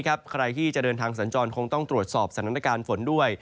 ใครที่จะเดินทางสัญจรคงต้องตรวจสอบสถานการณ์ฝนด้วย